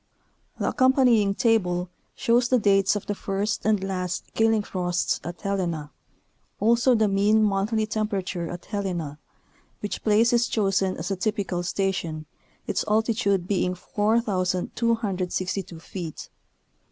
The accompanying table shows the dates of the first and last killing frosts at Helena, also the mean monthly temperature at Helena, which place is chosen as a typical station, its altitude being 4,262 feet.